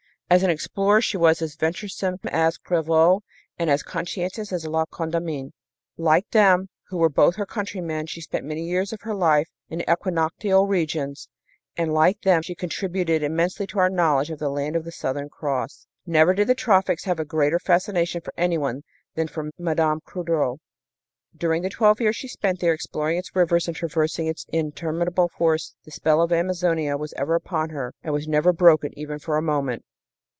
As an explorer she was as venturesome as Crevaux and as conscientious as La Condamine. Like them, who were both her countrymen, she spent many years of her life in the equinoctial regions, and, like them, she contributed immensely to our knowledge of the Land of the Southern Cross. Never did the tropics have a greater fascination for anyone than for Mme. Coudreau. During the twelve years she spent there, exploring its rivers and traversing its interminable forests, the spell of Amazonia was ever upon her and was never broken, even for a moment.